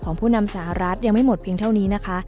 ผู้นำสหรัฐยังไม่หมดเพียงเท่านี้นะคะ